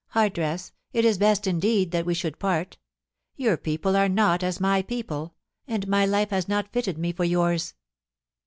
Hardress, it is best indeed that we should part Your people are not as my people, and my life has not fitted me for yours.'